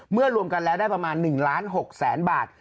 รวมกันแล้วได้ประมาณ๑ล้าน๖แสนบาท